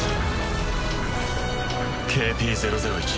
ＫＰ００１